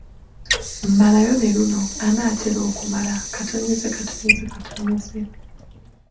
Malayo ne luno: Anaatera okumala, ….